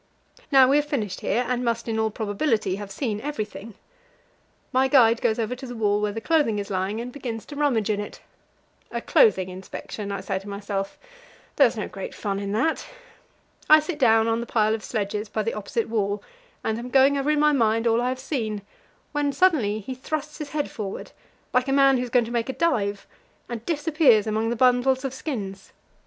Now we have finished here, and must in all probability have seen everything. My guide goes over to the wall where the clothing is lying and begins to rummage in it. A clothing inspection, I say to myself; there's no great fun in that. I sit down on the pile of sledges by the opposite wall, and am going over in my mind all I have seen, when suddenly he thrusts his head forward like a man who is going to make a dive and disappears among the bundles of skins.